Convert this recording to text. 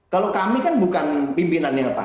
kalau kami kan bukan pimpinannya pak